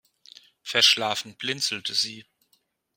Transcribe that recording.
Verschlafen blinzelte sie.